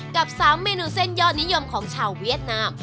กับ๓เมนูเส้นยอดนิยมของชาวเวียดนาม